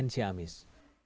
kondisinya masih masih